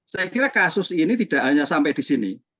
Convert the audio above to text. saya kira kasus ini tidak hanya sampai di sini